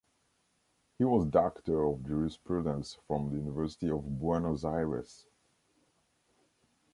He was doctor of jurisprudence from the University of Buenos Aires.